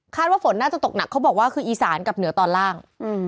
ว่าฝนน่าจะตกหนักเขาบอกว่าคืออีสานกับเหนือตอนล่าง